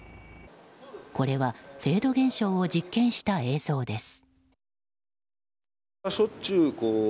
これはフェード現象を実験した映像です。